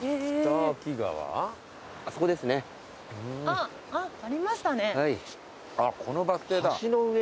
あっこのバス停だ。